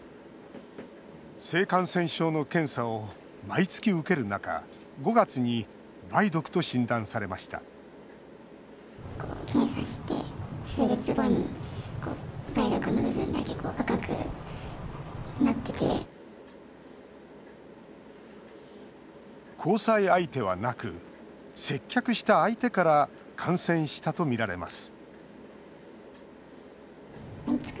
性感染症の検査を毎月受ける中５月に梅毒と診断されました交際相手はなく接客した相手から感染したとみられます